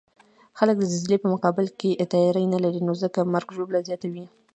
خلک د زلزلې په مقابل کې تیاری نلري، نو ځکه مرګ ژوبله زیاته وی